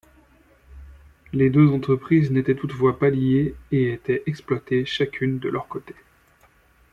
Les deux entreprises n'étaient toutefois pas liées et étaient exploitées chacune de leur côté.